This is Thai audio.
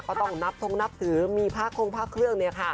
ก็ต้องนับทรงนับถือมีพระคงพระเครื่อง